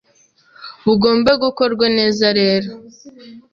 bugombe gukorwe neze rero,